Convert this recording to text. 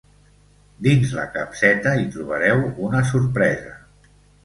Dins la capseta, hi trobareu una sorpresa.